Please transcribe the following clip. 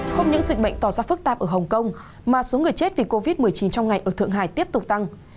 không những dịch bệnh tỏ ra phức tạp ở hồng kông mà số người chết vì covid một mươi chín trong ngày ở thượng hải tiếp tục tăng